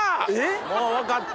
もう分かった。